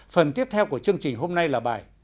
phần tiếp theo của chương trình hôm nay là bài